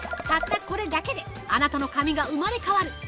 たったコレだけで、あなたの髪が生まれ変わる！